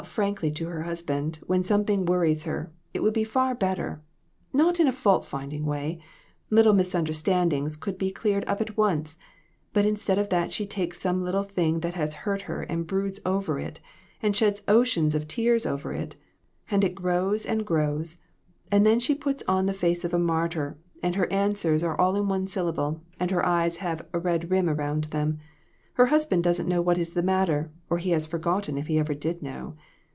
frankly to her husband when something worries her, it would be far better not in a fault finding way little misunderstandings could be clearec 1 up at once, but instead of that she takes some little thing that has hurt her and broods over it and sheds oceans of tears over it, and it grows and grows, and then she puts on the face of a martyr, and her answers are all in one syllable, and her eyes have a red rim around them. Her husband doesn't know what is the matter, or he has forgot ten if he ever did know.